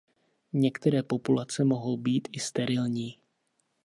Některé populace mohou být i sterilní.